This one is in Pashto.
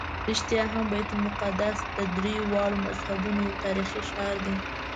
رښتیا هم بیت المقدس د درېواړو مذهبونو یو تاریخي ښار دی.